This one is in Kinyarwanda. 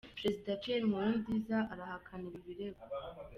Perezida Pierre Nkurunziza arahakana ibi birego: